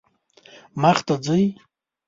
مخ ته ځئ